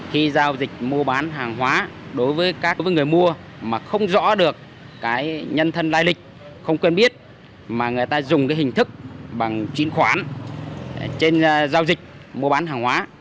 khi giao dịch mua bán hàng hóa đối với các người mua mà không rõ được cái nhân thân lai lịch không quên biết mà người ta dùng cái hình thức bằng chứng khoán trên giao dịch mua bán hàng hóa